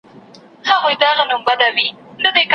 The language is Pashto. زړه مي ستا سره پیوند وي زه او ته اوسو جانانه